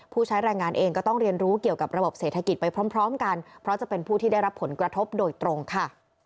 ใช้แรงงานเองก็ต้องเรียนรู้เกี่ยวกับระบบเศรษฐกิจไปพร้อมกันเพราะจะเป็นผู้ที่ได้รับผลกระทบโดยตรงค่ะ